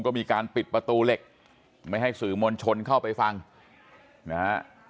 ก็มีการปิดประตูเหล็กไม่ให้สื่อมวลชนเข้าไปฟังนะฮะ